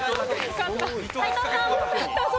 斎藤さん。